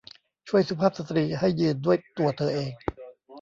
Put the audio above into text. ช่วยสุภาพสตรีให้ยืนด้วยตัวเธอเอง